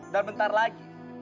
dan bentar lagi